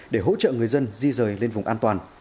để hỗ trợ người dân di rời lên vùng an toàn